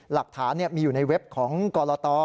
หลักฐานมีอยู่ในเว็บของกรต